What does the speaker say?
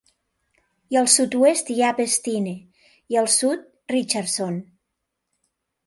I al sud-oest hi ha Vestine, i al sud, Richardson.